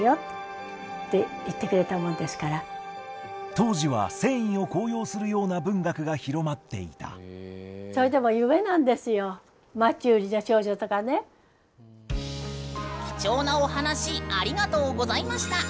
当時は戦意を高揚するような文学が広まっていた貴重なお話ありがとうございました。